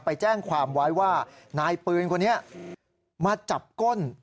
ไปแจ้งความไว้ว่านายปืนคนนี้มาจับก้น